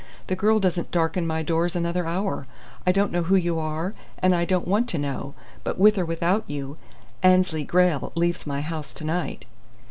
"The girl doesn't darken my doors another hour. I don't know who you are, and I don't want to know. But with or without you, Annesley Grayle leaves my house to night."